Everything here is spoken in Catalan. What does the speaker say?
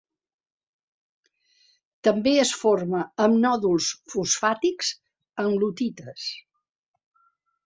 També es forma en nòduls fosfàtics en lutites.